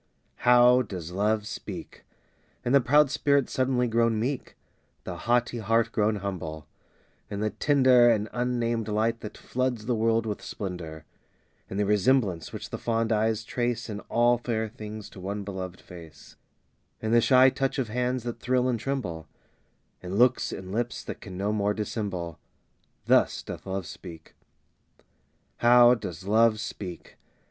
How does Love speak? In the proud spirit suddenly grown meek The haughty heart grown humble; in the tender And unnamed light that floods the world with splendor; In the resemblance which the fond eyes trace In all fair things to one beloved face; In the shy touch of hands that thrill and tremble; In looks and lips that can no more dissemble Thus doth Love speak. How does Love speak?